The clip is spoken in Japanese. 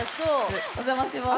お邪魔します。